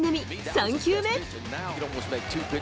３球目。